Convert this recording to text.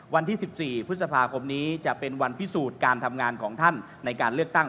วันที่๑๔พฤษภาคมนี้จะเป็นวันพิสูจน์การทำงานของท่านในการเลือกตั้ง